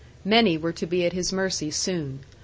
Many were to be at his mercy soon.